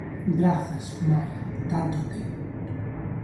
-Grazas, Maia, tanto ten.